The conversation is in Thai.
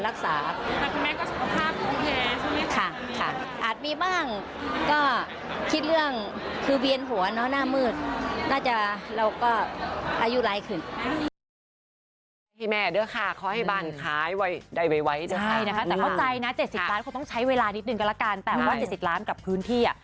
ให้แม่เด้อค่ะเขาให้บ้านขายให้ได้ไวไวเป็นอะไรเท่าไรแต่โปรดใจนะ๗๐ล้านคนต้องใช้เวลานิดนึงก็ละกันแต่ว่า๗๐ล้านกับพื้นที่